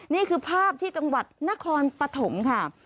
นี่คือภาพที่จังหวัดนครปฐมค่ะ